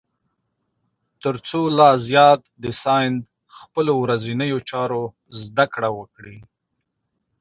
تر څو لا زیات د ساینس خپلو ورځنیو چارو زده کړه وکړي.